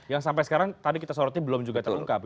yang sampai sekarang tadi kita sorotnya belum juga terungkap